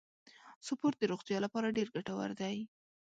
سپورت د روغتیا لپاره ډیر ګټور دی.